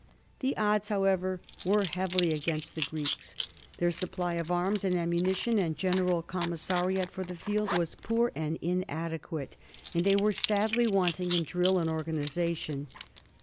The odds, however, were heavily against the Greeks. Their supply of arms, ammunition, and general commissariat for the field was poor and inadequate, and they were sadly wanting in drill and organization.